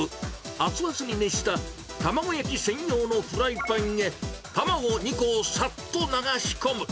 熱々に熱した卵焼き専用のフライパンへ、卵２個をさっと流し込む。